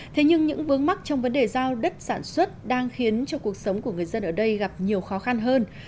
thế nhưng những vướng mắc trong vấn đề giao đất sản xuất đang khiến cho cuộc sống của người dân ở đây gặp nhiều khó khăn hơn